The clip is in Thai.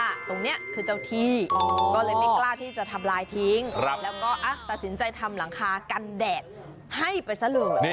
ตรงนี้คือเจ้าที่ก็เลยไม่กล้าที่จะทำลายทิ้งแล้วก็ตัดสินใจทำหลังคากันแดดให้ไปซะเลย